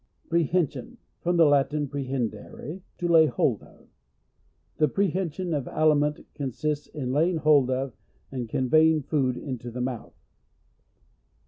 Prehension. — From the Latin, pre dendere, to lay hold of. The pre hension of aliment consists in lay ing hold of, and conveying food into the mouth.